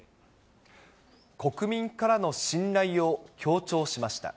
国民からの信頼を強調しました。